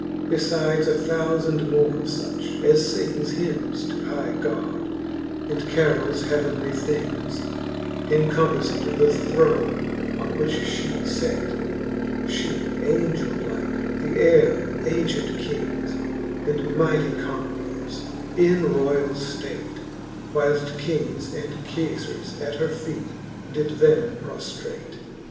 Befides a thoufand more of fuch, as fings Hymnes to high God, and carols heavenly things, Encompafled the throne, on which fhe fate : She Angel like, the heyre of ancient kings And mightie conquerors, in royall (late, Whileft kings and Kefars at her feet did them proflrate.